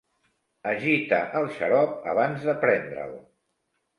Agita el xarop abans de prendre'l.